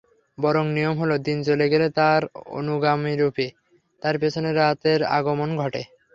বরং নিয়ম হলো, দিন চলে গেলে তার অনুগামীরূপে তার পেছনে রাতের আগমন ঘটে।